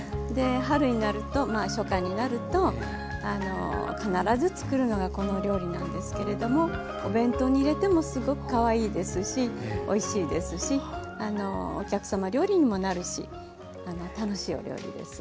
春になると初夏になるとあの必ず作るのがこのお料理なんですけれどもお弁当に入れてもすごくかわいいですしおいしいですしお客様料理にもなるし楽しいお料理です。